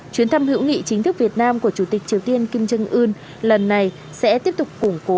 chuyến thăm hữu nghị chính thức việt nam của chủ tịch triều tiên kim trương ưn lần này sẽ tiếp tục củng cố